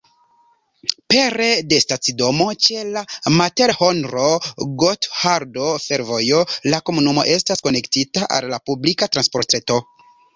Pere de stacidomo ĉe la Materhonro-Gothardo-Fervojo la komunumo estas konektita al la publika transportreto.